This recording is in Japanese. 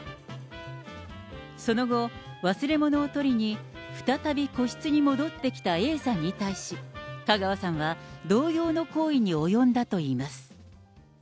その後、忘れ物を取りに再び個室に戻ってきたＡさんに対し、香川さんは同様の行為に及んだといいます。